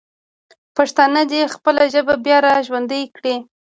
پښتانه دې خپله ژبه بیا راژوندی کړي.